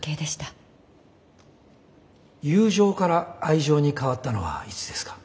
友情から愛情に変わったのはいつですか？